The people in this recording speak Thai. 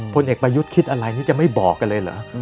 พลเอกประยุทธ์คิดอะไรนี่จะไม่บอกกันเลยเหรอ